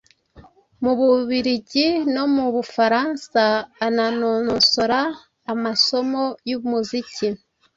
mu Bubiligi no mu Bufaransa - anononsora amasomo y'umuziki,